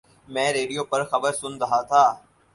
میں ریڈیو پر خبر سن رہا تھا